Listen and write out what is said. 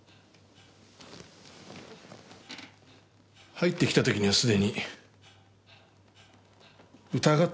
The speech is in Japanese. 入ってきた時にはすでに疑ってたってわけですか。